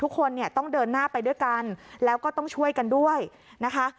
ทุกคนเนี่ยต้องเดินหน้าไปด้วยกันแล้วก็ต้องช่วยกันด้วยนะคะ